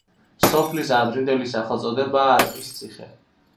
სოფლის ადრინდელი სახელწოდებაა არყისციხე.